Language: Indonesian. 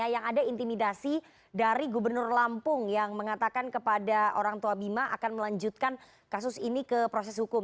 yang ada intimidasi dari gubernur lampung yang mengatakan kepada orang tua bima akan melanjutkan kasus ini ke proses hukum